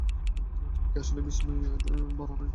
তুমি কি আসলেই বিস্ময়ে ভরা নয়?